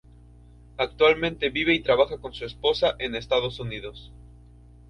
Actualmente vive y trabaja con su esposa en Estados Unidos.